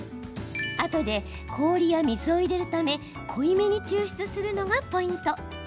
あとで氷や水を入れるため濃いめに抽出するのがポイント。